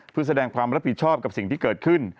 เพื่อแสดงความรับผิดชอบกับสิ่งที่เกิดขึ้น